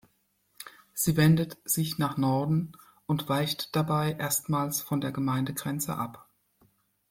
Sie wendet sich nach Norden und weicht dabei erstmals von der Gemeindegrenze ab.